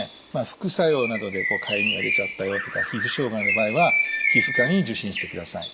副作用などでかゆみが出ちゃったよとか皮膚障害の場合は皮膚科に受診してください。